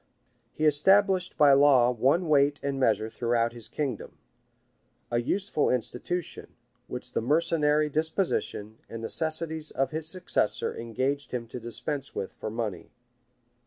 He established by law one weight and measure throughout his kingdom;[] a useful institution, which the mercenary disposition and necessities of his successor engaged him to dispense with for money.